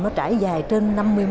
nó trải dài trở lại